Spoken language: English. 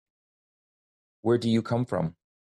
Where do you come from?